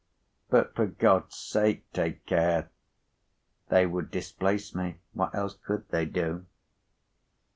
But for God's sake take care!' They would displace me. What else could they do?"